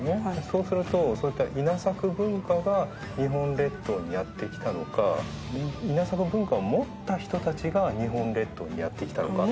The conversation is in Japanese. そうするとそういった稲作文化が日本列島にやって来たのか稲作文化を持った人たちが日本列島にやって来たのか。